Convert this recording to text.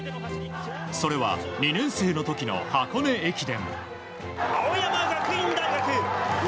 それは、２年生の時の箱根駅伝。